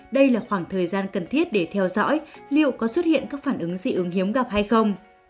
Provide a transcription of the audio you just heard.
đây là khoảng thời gian cần thiết để theo dõi liệu có xuất hiện các phản ứng dị ứng hiếm gặp hay không